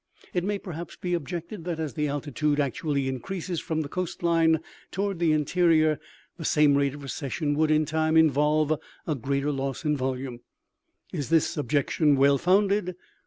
" It may perhaps be objected, that, as the altitude actually increases from the coast line toward the interior, the same rate of recession would, in time, involve a greater loss in volume. Is this objection well founded